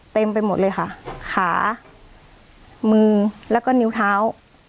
ไปหมดเลยค่ะขามือแล้วก็นิ้วเท้า